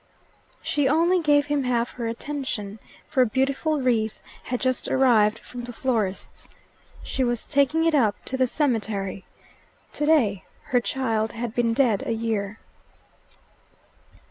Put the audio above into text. She only gave him half her attention, for a beautiful wreath had just arrived from the florist's. She was taking it up to the cemetery: today her child had been dead a year.